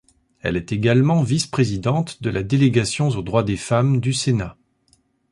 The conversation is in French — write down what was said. Elle est également vice-présidente de la délégation aux droits des femmes du Sénat.